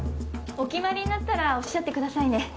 お決まりになったらおっしゃってくださいね。